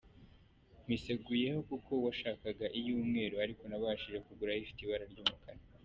Nkwiseguyeho kuko washakaga iy’umweru ariko nabashije kugura ifite ibara ry’umukara.